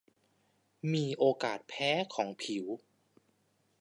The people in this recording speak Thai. มีโอกาสแพ้ของผิว